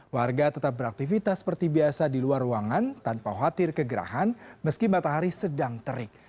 warga tetap beraktivitas seperti biasa di luar ruangan tanpa khawatir kegerahan meski matahari sedang terik